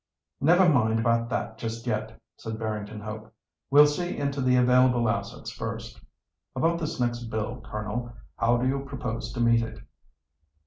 "Never mind about that just yet," said Barrington Hope. "We'll see into the available assets first. About this next bill, Colonel; how do you propose to meet it?"